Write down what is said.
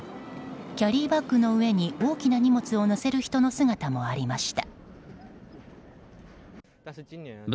キャリーバッグの上に大きな荷物を載せる人の姿もありました。